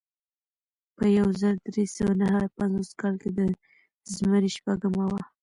په یو زر درې سوه نهه پنځوس کال د زمري شپږمه وه.